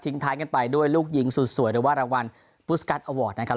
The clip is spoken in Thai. ทิ้งท้ายกันไปด้วยลูกหญิงสุดสวยโดยว่ารวรรวรรดิบุสกัสอวอร์ดนะครับ